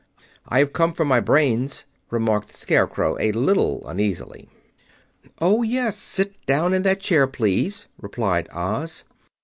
"I have come for my brains," remarked the Scarecrow, a little uneasily. "Oh, yes; sit down in that chair, please," replied Oz.